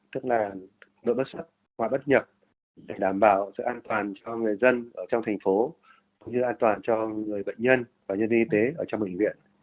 tức là đội bất sắc họa bất nhập để đảm bảo sự an toàn cho người dân ở trong thành phố cũng như an toàn cho người bệnh nhân và nhân viên y tế ở trong bệnh viện